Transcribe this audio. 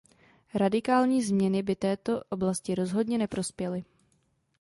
Radikální změny by této oblasti rozhodně neprospěly.